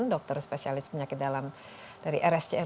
dokter spesialis penyakit dalam dari rsjm